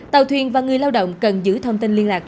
tàu thuyền và người lao động cần giữ thông tin liên lạc